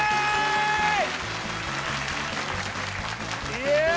イエイ！